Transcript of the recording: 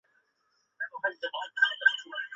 并将簇展开整理成迈耶函数的组合。